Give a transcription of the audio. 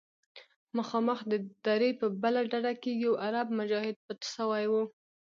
مخامخ د درې په بله ډډه کښې يو عرب مجاهد پټ سوى و.